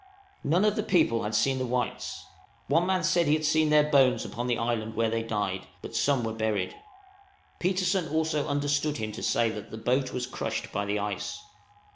None of these people had seen the whites; one man said he had seen their bones upon the island where they died, but some were buried. Petersen also understood him to say that the boat was crushed by the ice.